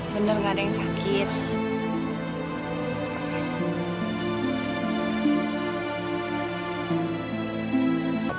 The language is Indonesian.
benar nggak ada yang sakit